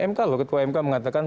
mk loh ketua mk mengatakan